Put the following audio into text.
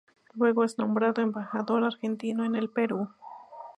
Luego es nombrado embajador argentino en el Perú.